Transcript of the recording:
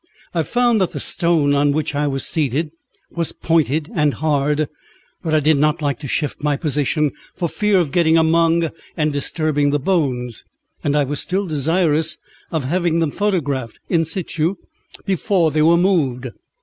I found that the stone on which I was seated was pointed and hard, but I did not like to shift my position for fear of getting among and disturbing the bones, and I was still desirous of having them photographed in situ before they were moved.